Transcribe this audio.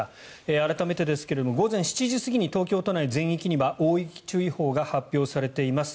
改めてですが午前７時過ぎに東京都内全域には大雪注意報が発表されています。